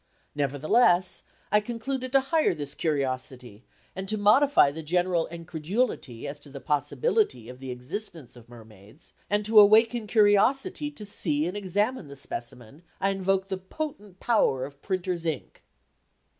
Nevertheless, I concluded to hire this curiosity and to modify the general incredulity as to the possibility of the existence of mermaids, and to awaken curiosity to see and examine the specimen, I invoked the potent power of printer's ink.